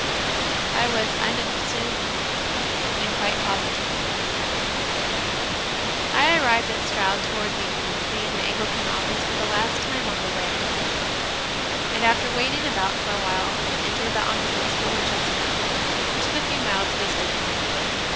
I was uninterested and quite positive. 2. I arrived at Stroud towards evening, saying my Anglican Office for the last time on the way, and, after waiting about for a while, entered the omnibus for Woodchester, which is a few miles distant.